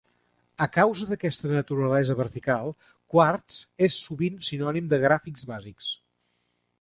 A causa d'aquesta naturalesa vertical, "Quartz" és sovint sinònim de "gràfics bàsics".